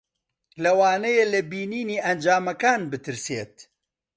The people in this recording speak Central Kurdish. لەوانەیە لە بینینی ئەنجامەکان بترسێت.